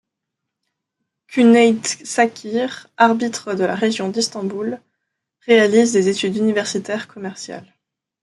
Cüneyt Çakır, arbitre de la région d'Istanbul, réalise des études universitaires commerciales.